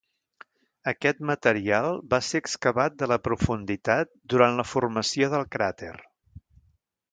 Aquest material va ser excavat de la profunditat durant la formació del cràter.